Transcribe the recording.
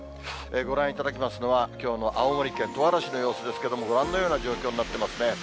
ご覧いただきますのは、きょうの青森県十和田市の様子ですけれども、ご覧のような状況になってますね。